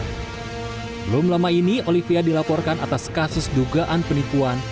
belum lama ini olivia dilaporkan atas kasus dugaan penipuan